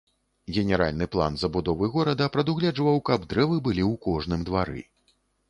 Генеральны план забудовы горада прадугледжваў, каб дрэвы былі ў кожным двары.